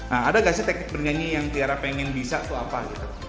nah ada gak sih teknik bernyanyi yang tiara pengen bisa tuh apa